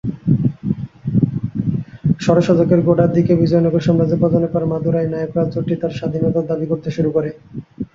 ষোড়শ শতকের গোড়ার দিকে বিজয়নগর সাম্রাজ্যের পতনের পরে, মাদুরাই নায়ক রাজ্যটি তার স্বাধীনতার দাবি করতে শুরু করে।